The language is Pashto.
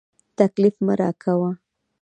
تکليف مه راکوه.